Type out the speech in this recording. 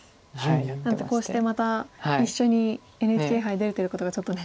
なのでこうしてまた一緒にＮＨＫ杯出れてることがちょっと。